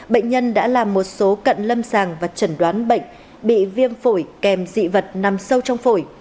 bệnh nhân đã làm một số cận lâm sàng và trần đoán bệnh bị viêm phổi kèm dị vật nằm sâu trong phổi